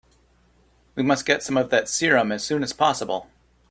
We must get some of that serum as soon as possible.